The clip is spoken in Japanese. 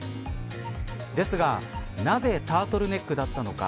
ですがなぜタートルネックだったのか。